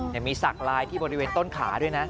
ยังมีสักลายที่บริเวณต้นขาด้วยนะ